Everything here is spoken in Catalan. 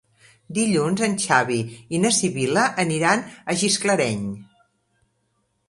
Dilluns en Xavi i na Sibil·la aniran a Gisclareny.